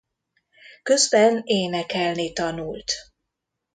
Közben énekelni tanult.